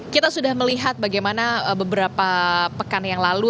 kita sudah melihat bagaimana beberapa pekan yang lalu